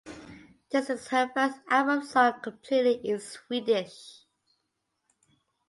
This is her first album sung completely in Swedish.